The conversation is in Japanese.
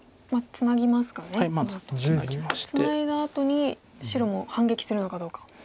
ツナいだあとに白も反撃するのかどうか。